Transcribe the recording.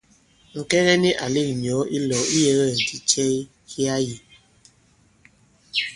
Ŋ̀kɛŋɛ nik ǎ lɛ̄k ŋ̀nyɔ̌ ilɔ̄w iyɛ̄wɛ̂kdi cɛ ki ā yī.